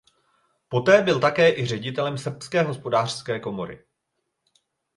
Poté byl také i ředitelem srbské hospodářské komory.